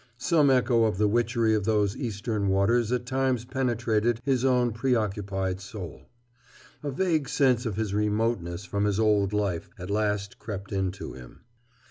Some echo of the witchery of those Eastern waters at times penetrated his own preoccupied soul. A vague sense of his remoteness from his old life at last crept in to him.